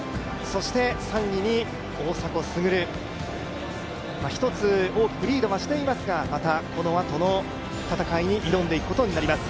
３位に大迫傑、１つ大きくリードはしていますが、またこのあとの戦いに挑んでいくことになります。